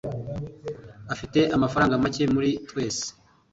afite amafaranga make muri twese